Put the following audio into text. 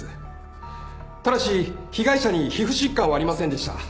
ただし被害者に皮膚疾患はありませんでした。